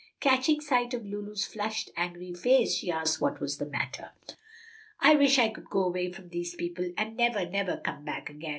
Catching sight of Lulu's flushed, angry face, she asked what was the matter. "I wish we could go away from these people and never, never come back again!"